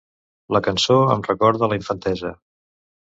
La cançó em recorda a la infantesa.